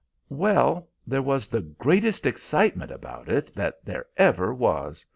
"Well, there was the greatest excitement about it that there ever was.